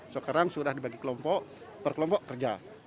sekarang sudah dibagi kelompok per kelompok kerja